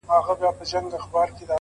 ستا د بنگړو مست شرنگهار وچاته څه وركوي؛